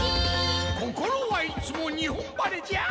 心はいつも日本晴れじゃ。